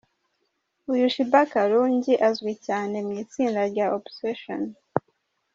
Uyu Sheebah Karungi azwi cyane mu itsinda rya Obsession.